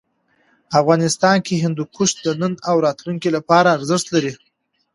افغانستان کې هندوکش د نن او راتلونکي لپاره ارزښت لري.